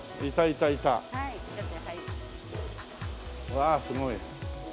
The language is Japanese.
うわあすごい。